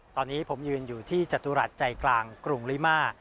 ตอนนี้ผมยืนอยู่ที่จตุรัสใจกลางกรุงลิมา